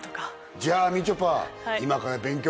じゃあみちょぱ今から勉強しましょう。